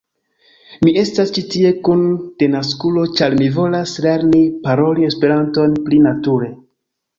Mi estas ĉi tie kun denaskulo ĉar mi volas lerni paroli Esperanton pli nature